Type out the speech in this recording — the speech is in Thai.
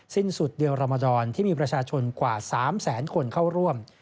สิ้นสุดเดือนรมดรที่มีประชาชนกว่า๓แสนคนเข้าร่วม